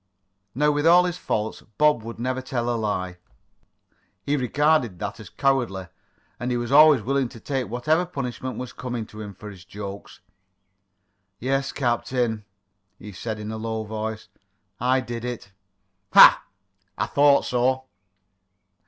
Now, with all his faults, Bob would never tell a lie. He regarded that as cowardly, and he was always willing to take whatever punishment was coming to him for his "jokes." "Yes, captain," he said in a low voice. "I did it." "Ha! I thought so."